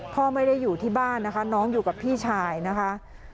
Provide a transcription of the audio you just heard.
พ่อไม่ได้อยู่ที่บ้านนะคะน้องอยู่กับพี่ชายนะคะ